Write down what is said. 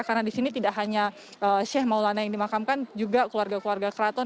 karena di sini tidak hanya seh maulana yang dimakamkan juga keluarga keluarga keraton